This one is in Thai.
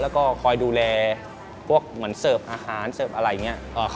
แล้วก็คอยดูแลพวกเหมือนเสิร์ฟอาหารเสิร์ฟอะไรอย่างนี้